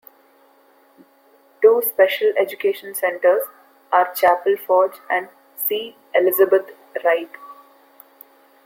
Two special education centers are Chapel Forge and C. Elizabeth Reig.